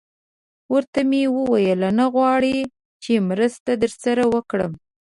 ورته ومې ویل: نه غواړئ چې مرسته در سره وکړم؟